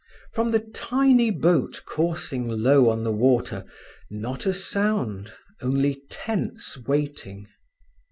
From the tiny boat coursing low on the water, not a sound, only tense waiting.